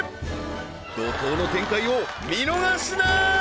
怒とうの展開を見逃すなー！